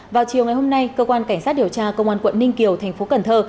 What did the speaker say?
vào chiều ngày hôm nay cơ quan cảnh sát điều tra công an quận ninh kiều thành phố cần thơ